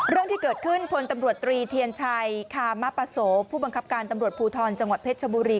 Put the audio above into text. เรื่องที่เกิดขึ้นพลตำรวจตรีเทียนชัยคามปโสผู้บังคับการตำรวจภูทรจังหวัดเพชรชบุรี